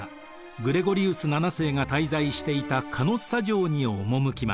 グレゴリウス７世が滞在していたカノッサ城に赴きます。